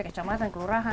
rt rw kecamatan keurahan